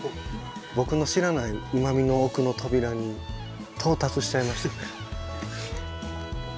僕の知らないうまみの奥の扉に到達しちゃいましたね。